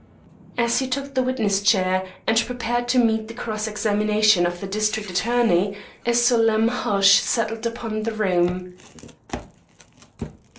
As he took the witness chair, and prepared to meet the cross examination of the district attorney, a solemn hush settled upon the room.